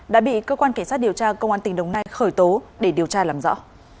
đã bị cơ quan cảnh sát điều tra công an tỉnh đồng nai khởi tố để điều tra làm rõ